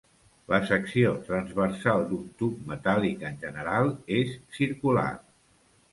La secció transversal d'un tub metàl·lic en general és circular.